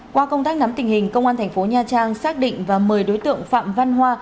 qua công tác nắm tình hình công an thành phố nha trang xác định và mời đối tượng phạm văn hoa